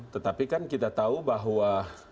tetapi kan kita tahu bahwa